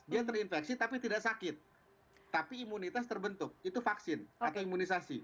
dia terinfeksi tapi tidak sakit tapi imunitas terbentuk itu vaksin atau imunisasi